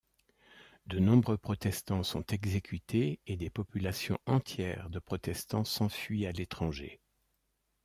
De nombreux protestants sont exécutés et des populations entières de protestants s'enfuient à l'étranger.